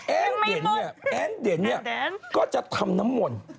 แอ้งเด่นนี่ก็จะทำน้ำม่วน